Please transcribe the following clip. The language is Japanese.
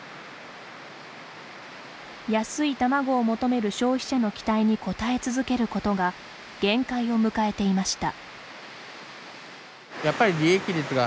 安い卵を求める消費者の期待に応え続けることが限界を迎えていました。